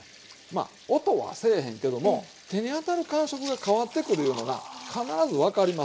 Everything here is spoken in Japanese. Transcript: まあ音はせえへんけども手に当たる感触が変わってくるいうのが必ず分かります。